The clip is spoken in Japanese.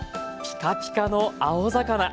ピカピカの青魚。